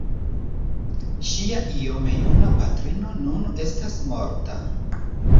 Ŝia iome juna patrino nun estas morta.